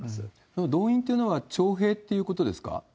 これ、動員というのは徴兵ということですか？